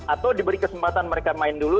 atau diberi kesempatan mereka main dulu